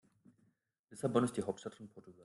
Lissabon ist die Hauptstadt von Portugal.